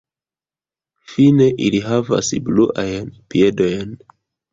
Fine ili havas bluajn piedojn.